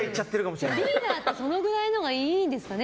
リーダーってそのくらいのほうがいいんですかね。